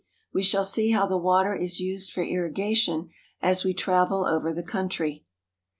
We shall see how the water is used for irrigation as we travel over the country.